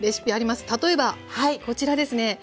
例えばこちらですね。